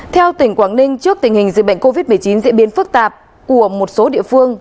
theo tỉnh quảng ninh trước tình hình dịch bệnh covid một mươi chín diễn biến phức tạp của một số địa phương